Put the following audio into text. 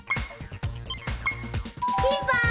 ピンポーン！